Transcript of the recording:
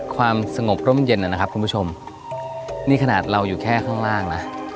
ความสงบร่มเย็นนะครับคุณผู้ชมนี่ขนาดเราอยู่แค่ข้างล่างนะ